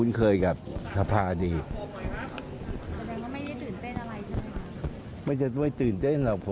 เห็นบอกว่าจะมีใครเสนอชื่อชิงด้วยไหมคะ